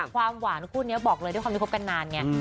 ความหวานคู่นี้บอกเลยด้วยความที่คบกันนานไง